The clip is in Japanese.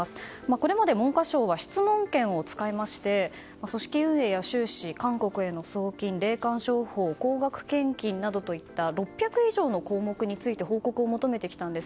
これまで文科省は質問権を使いまして組織運営や収支、韓国への送金霊感商法、高額献金などといった６００以上の項目について報告を求めてきたんです。